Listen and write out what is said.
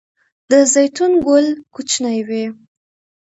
د زیتون ګل کوچنی وي؟